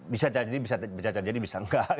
bisa jadi bisa jadi bisa enggak